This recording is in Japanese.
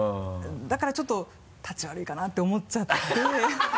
だからちょっとたち悪いかなって思っちゃって。